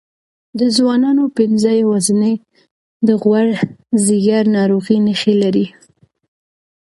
د ځوانانو پنځه یوازینۍ د غوړ ځیګر ناروغۍ نښې لري.